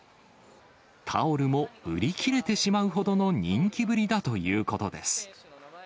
タオルも売り切れてしまうほどの人気ぶりだということです。